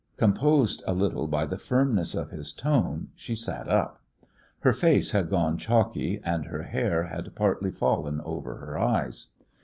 Composed a little by the firmness of his tone, she sat up. Her face had gone chalky, and her hair had partly fallen over her eyes.